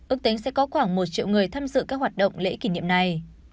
ước tính sẽ có khoảng một triệu người tham dự các hoạt động lễ kỷ niệm này